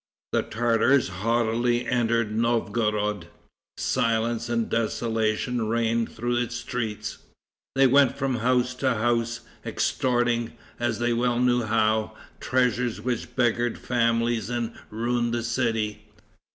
The Tartars haughtily entered Novgorod. Silence and desolation reigned through its streets. They went from house to house, extorting, as they well knew how, treasure which beggared families and ruined the city.